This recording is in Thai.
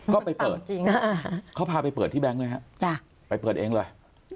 ก็ไปเปิดเขาพาไปเปิดที่แบงค์ด้วยฮะจ้ะไปเปิดเองเลย